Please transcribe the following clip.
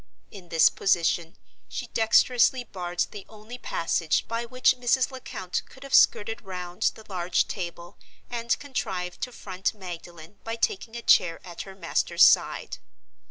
In this position she dexterously barred the only passage by which Mrs. Lecount could have skirted round the large table and contrived to front Magdalen by taking a chair at her master's side.